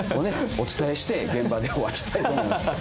お伝えして現場でお会いしたいと思います。